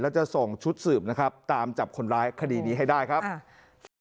แล้วจะส่งชุดสืบนะครับตามจับคนร้ายคดีนี้ให้ได้ครับค่ะ